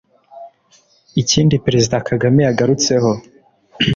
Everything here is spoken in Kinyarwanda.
Ikindi Perezida Kagame yagarutseho